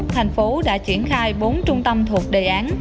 thành phố đã triển khai bốn trung tâm thuộc đề án